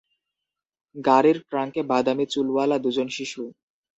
গাড়ির ট্রাঙ্কে বাদামি চুলওয়ালা দুজন শিশু।